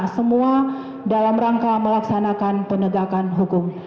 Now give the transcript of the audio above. semua dalam rangka melaksanakan penegakan hukum